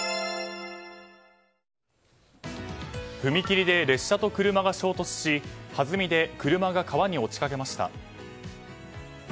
踏切で列車と車が衝突しはずみで車が川に落ちかけました。